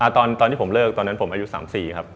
ตอนที่ผมเลิกตอนนั้นผมอายุ๓๔ครับ